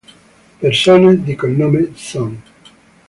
Persone di cognome Sun